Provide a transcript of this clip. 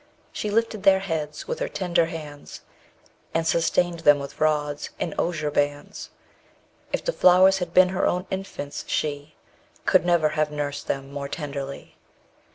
She lifted their heads with her tender hands, And sustained them with rods and osier bands; If the flowers had been her own infants, she Could never have nursed them more tenderly.